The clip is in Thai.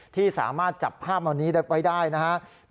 ที่สามารถจับภาพเหล่านี้ไว้ได้นะครับ